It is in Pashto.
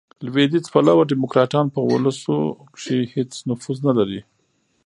لوېدیځ پلوه ډیموکراټان، په اولسو کښي هیڅ نفوذ نه لري.